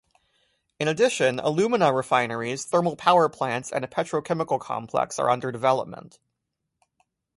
In addition, alumina refineries, thermal power plants, and a petrochemical complex are under development.